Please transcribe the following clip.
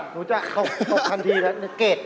หนูจะตกทันทีแล้ว